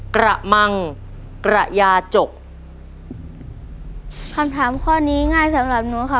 กระมังกระยาจกคำถามข้อนี้ง่ายสำหรับหนูค่ะ